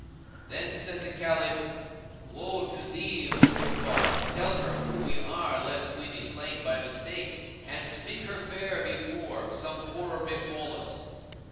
Then said the Caliph, "Woe to thee, O Ja'afar, tell her who we are lest we be slain by mistake; and speak her fair before some horror befal us."